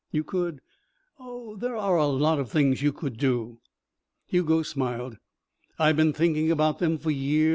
You could oh, there are lots of things you could do." Hugo smiled. "I've been thinking about them for years.